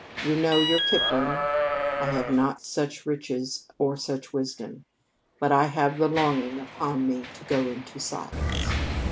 You know your Kipling. I have not such riches or such wisdom, but I have the longing upon me to go into silence."